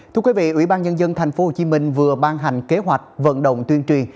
thưa quý vị ủy ban nhân dân tp hcm vừa ban hành kế hoạch vận động tuyên truyền